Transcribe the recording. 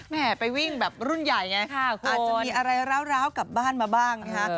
แม่ไปวิ่งแบบรุ่นใหญ่ไงอาจจะมีอะไรร้าวกลับบ้านมาบ้างนะคะ